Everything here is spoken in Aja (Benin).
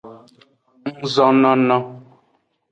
Ngzonono.